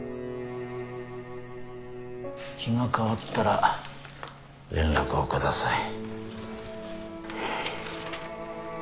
気が変わったら連絡をください。